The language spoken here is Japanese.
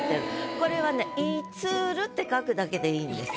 これはね「凍つる」って書くだけでいいんです。